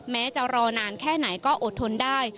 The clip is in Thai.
แม้จะรอนานแค่ไหนก็อดทนได้